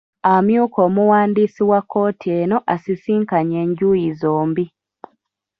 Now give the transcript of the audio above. Amyuka Omuwandiisi wa kkooti eno asisinkanye enjuyi zombi.